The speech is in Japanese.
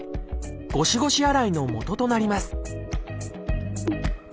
ごしごし洗いのもととなります